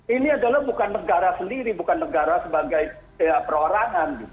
ini adalah bukan negara sendiri bukan negara sebagai perorangan